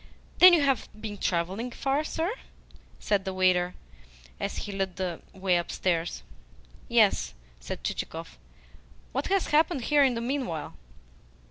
"Then you have been travelling far, sir?" said the waiter, as he lit the way upstarts. "Yes," said Chichikov. "What has happened here in the meanwhile?"